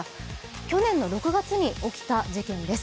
去年の６月に起きた事件です。